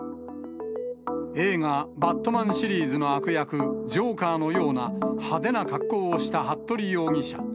映画、バットマンシリーズの悪役、ジョーカーのような、派手な格好をした服部容疑者。